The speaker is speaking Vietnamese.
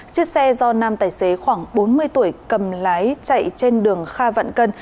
chiếc xe do nam tài xế khoảng bốn mươi tuổi cầm lái chạy trên đường kha vạn cân